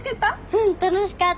うん楽しかった。